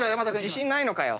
自信ないのかよ。